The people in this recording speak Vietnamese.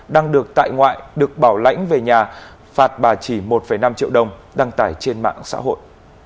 đang được tại ngoại được bảo lãnh về nhà phạt bà chỉ một năm triệu đồng đăng tải trên mạng xã hội